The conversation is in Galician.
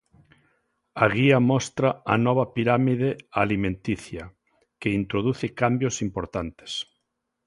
A guía mostra a nova pirámide alimenticia, que introduce cambios importantes.